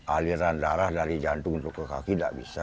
aliran darah dari jantung untuk ke kaki tidak bisa